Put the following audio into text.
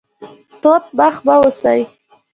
توت مخ مه اوسئ